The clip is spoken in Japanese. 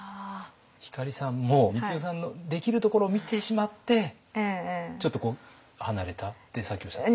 光さんも光代さんのできるところを見てしまってちょっとこう離れたってさっきおっしゃってた？